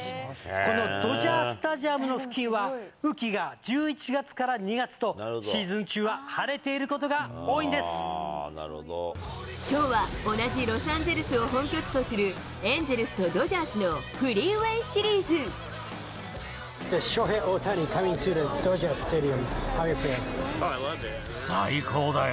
このドジャースタジアムの付近は、雨期が１１月から２月と、シーズン中は晴れていることが多いんできょうは同じロサンゼルスを本拠地とする、エンゼルスとドジャースのフリーウエーシリーズ。最高だよ。